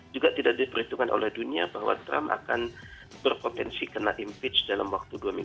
juga tidak diperhitungkan oleh dunia bahwa trump akan berkontensi kena impor bahwa trump akan berkontensi kena impor